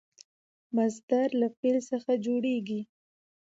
مصدر له فعل څخه جوړیږي.